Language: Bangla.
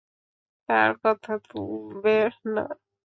তার কথা তুলবে না।